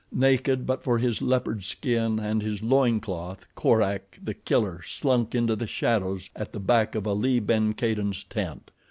Naked but for his leopard skin and his loin cloth, Korak, The Killer, slunk into the shadows at the back of Ali ben Kadin's tent.